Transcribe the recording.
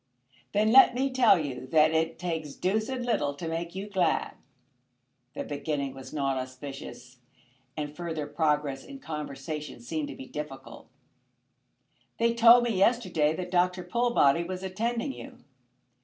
"Then let me tell you that it takes deuced little to make you glad." The beginning was not auspicious, and further progress in conversation seemed to be difficult. "They told me yesterday that Dr. Pullbody was attending you."